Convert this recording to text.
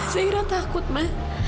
zaira takut ma